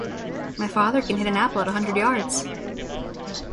My father can hit an apple at a hundred yards!